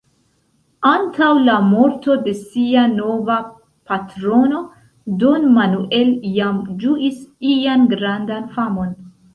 Antaŭ la morto de sia nova patrono, Don Manuel jam ĝuis ian grandan famon.